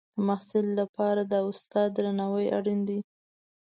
د محصل لپاره د استاد درناوی اړین دی.